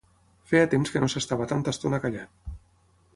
Feia temps que no s'estava tanta estona callat.